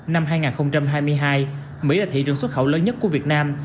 năm hai nghìn hai mươi hai mỹ là thị trường xuất khẩu lớn nhất của việt nam